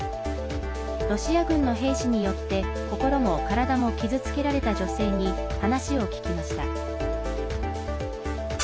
ロシア軍の兵士によって心も体も傷つけられた女性に話を聞きました。